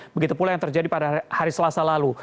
begitu pula yang terjadi pada hari selasa lalu